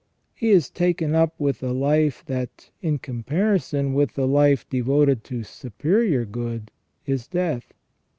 He is taken up with a life that, in comparison with the life devoted to superior good, is death.